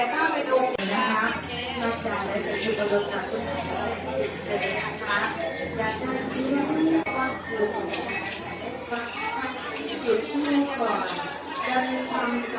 ๕๐ซอง